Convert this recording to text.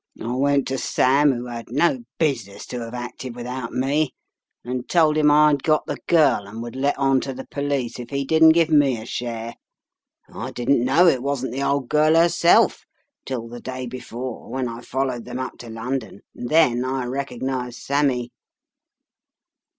I went to Sam, who had no business to have acted without me, and told him I'd got the girl and would let on to the police if he didn't give me a share. I didn't know it wasn't the old girl her self, till the day before when I followed them up to London, then I recognized Sammy.